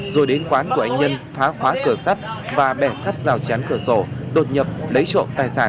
rồi đến quán của anh nhân phá khóa cửa sắt và bẻ sắt rào chắn cửa sổ đột nhập lấy trộm tài sản